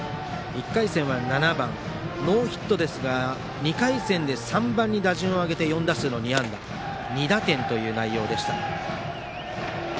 １回戦は７番、ノーヒットですが２回戦で３番に打順を上げて４打数２安打２打点という内容でした。